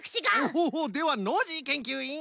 ほうほうではノージーけんきゅういん！